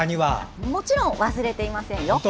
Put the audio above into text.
もちろん忘れていませんよ。